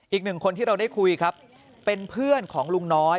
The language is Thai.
อีกหนึ่งคนที่เราได้คุยครับเป็นเพื่อนของลุงน้อย